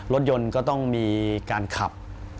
รถยนต์ก็ต้องมีการขับ